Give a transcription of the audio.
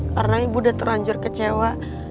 karena ibu udah terlanjur kecewa